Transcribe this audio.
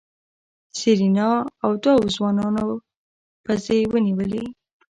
سېرېنا او دوو ځوانانو پزې ونيولې.